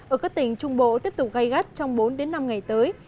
ở các tỉnh trung bộ tiếp tục gây gắt trong bốn đến năm ngày tới